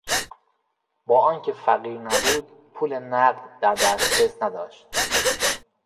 با آنکه فقیر نبود پول نقد در دسترس نداشت.